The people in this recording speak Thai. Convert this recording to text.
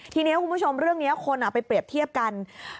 ทีนี้คุณผู้ชมเรื่องนี้คนเอาไปเปรียบเทียบกัน